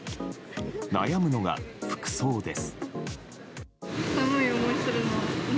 悩むのが服装です。